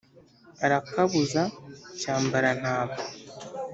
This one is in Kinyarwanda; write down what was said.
arakabuza cyambarantama